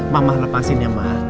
mama lepasin ya ma